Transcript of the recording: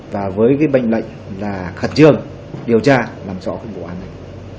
và với bệnh lệnh là khẩn trương điều tra làm rõ vụ án này